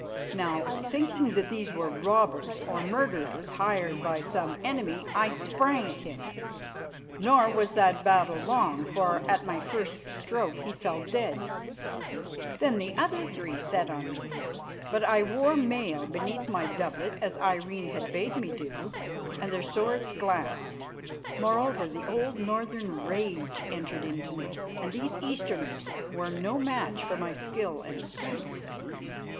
Now, thinking that these were robbers or murderers hired by some enemy, I sprang at him, nor was that battle long, for at my first stroke he fell dead. Then the other three set on me. But I wore mail beneath my doublet, as Irene had bade me do, and their swords glanced. Moreover, the old northern rage entered into me, and these easterners were no match for my skill and strength.